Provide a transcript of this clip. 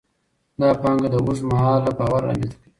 دا پانګه د اوږد مهاله باور رامینځته کوي.